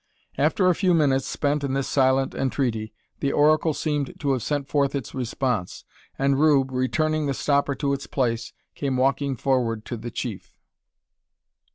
After a few minutes spent in this silent entreaty, the oracle seemed to have sent forth its response; and Rube, returning the stopper to its place, came walking forward to the chief.